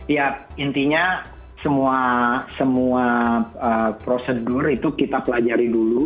ya intinya semua prosedur itu kita pelajari dulu